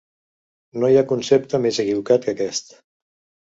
No hi ha concepte més equivocat que aquest.